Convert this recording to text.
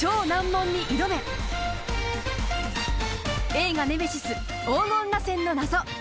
映画『ネメシス黄金螺旋の謎』